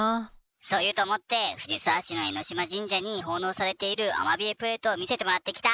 そう言うと思って藤沢市の江島神社に奉納されているアマビエプレートを見せてもらってきた。